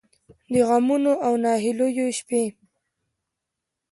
د غمـونـو او نهـيليو شـپې